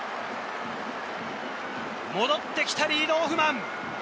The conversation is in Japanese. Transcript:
戻ってきたリードオフマン。